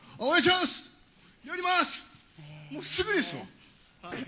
もうすぐですよ。